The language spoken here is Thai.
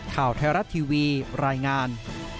ข่าวไทยรัฐทีวีรายงาน